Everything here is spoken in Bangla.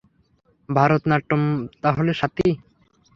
ভারতনাট্যম তাহলে স্বাতী?